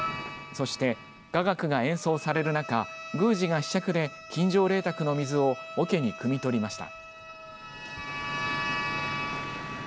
そして雅楽が演奏される中宮司がひしゃくで金城霊沢の水をおけにくみ取りました。